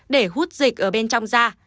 để hút dịch ở bên trong da